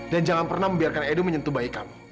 dan jangan pernah membiarkan edo menyentuh bayi kamu